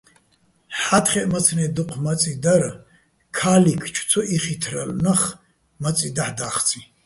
ჰ̦ა́თხეჸ, მაცმე́ დუჴ მაწი დარ, ქა́ლიქ ჩუ ცო იხითრალო̆ ნახ მაწი დაჰ̦ და́ხწიჼ.